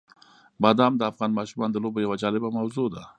بادام د افغان ماشومانو د لوبو یوه جالبه موضوع ده.